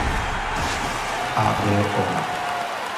аб ово